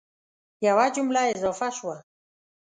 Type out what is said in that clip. یوه جمله اضافه شوه